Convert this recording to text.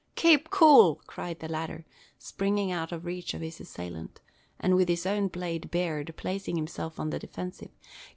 "Kape cool!" cried the latter, springing out of reach of his assailant; and with his own blade bared, placing himself on the defensive.